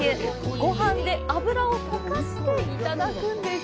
ごはんで脂を溶かしていただくんです。